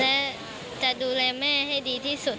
และจะดูแลแม่ให้ดีที่สุด